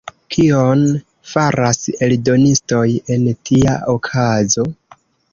Kion faras eldonistoj en tia okazo?